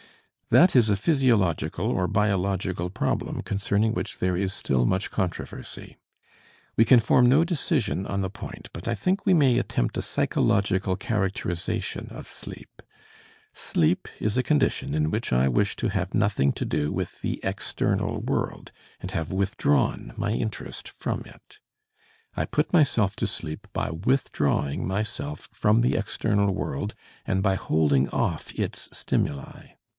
That is a physiological or biological problem concerning which there is still much controversy. We can form no decision on the point, but I think we may attempt a psychological characterization of sleep. Sleep is a condition in which I wish to have nothing to do with the external world, and have withdrawn my interest from it. I put myself to sleep by withdrawing myself from the external world and by holding off its stimuli.